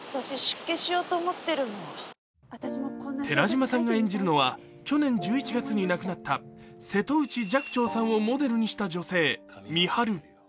寺島さんが演じるのは去年１１月に亡くなった瀬戸内寂聴さんをモデルにした女性、みはる。